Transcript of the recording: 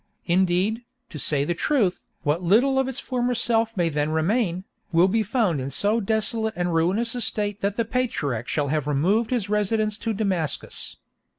Indeed, to say the truth, what little of its former self may then remain, will be found in so desolate and ruinous a state that the patriarch shall have removed his residence to Damascus.